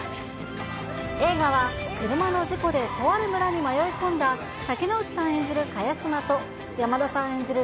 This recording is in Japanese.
映画は、車の事故でとある村に迷い込んだ、竹野内さん演じる萱島と、山田さん演じる